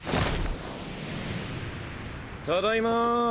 ただいま。